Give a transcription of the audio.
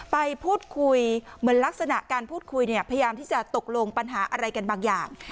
ไปพูดคุยเหมือนลักษณะการพูดคุยเนี่ยพยายามที่จะตกลงปัญหาอะไรกันบางอย่าง